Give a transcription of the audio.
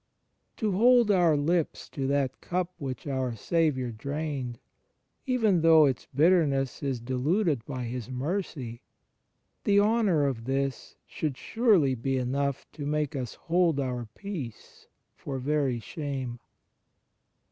To hold our lips to that Cup which our Saviour drained, even though its bitterness is diluted by His mercy — the honour of this should surely be enough to make us hold our peace, for very shame.